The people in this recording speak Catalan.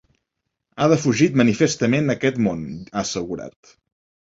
He defugit manifestament aquest món, ha assegurat.